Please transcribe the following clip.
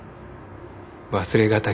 忘れがたき